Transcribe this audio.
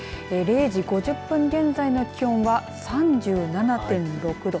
０時５０分現在の気温は３７．６度。